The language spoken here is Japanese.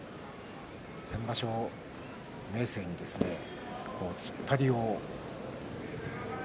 先場所、明生に突っ張りを。